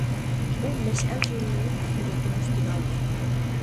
ئۇ «مەشئەل» ژۇرنىلىنىڭ تەھرىرلىكىنى ئۈستىگە ئالدى.